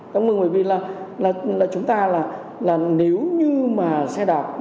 đáng mừng bởi vì là chúng ta là nếu như mà xe đạp